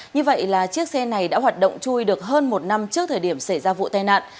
như vậy là chiếc xe này đã hoạt động chui được hơn một năm trước thời điểm xảy ra vụ tai nạn